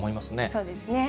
そうですね。